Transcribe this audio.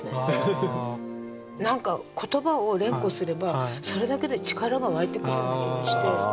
何か言葉を連呼すればそれだけで力が湧いてくるような気がして。